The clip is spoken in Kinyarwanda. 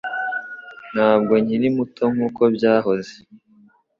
Ntabwo nkiri muto nkuko byahoze